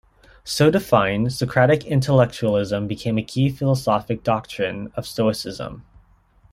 So defined, Socratic intellectualism became a key philosophic doctrine of Stoicism.